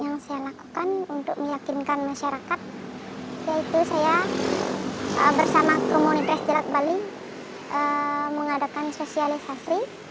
yang saya lakukan untuk meyakinkan masyarakat yaitu saya bersama komunitas jelat bali mengadakan sosialisasi